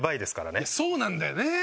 いやそうなんだよね。